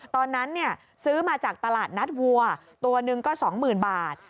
ตอนนั้นซื้อมาจากตลาดนัดวัวตัวหนึ่งก็๒๐๐๐บาท